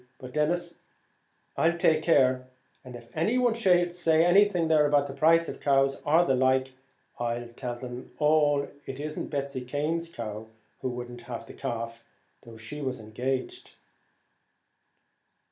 But, Denis, I'll take care; and if any one should say anything about the price of cows or the like, I'll tell them all it isn't Betsy Cane's cow, who wouldn't have the calf, though she was engaged."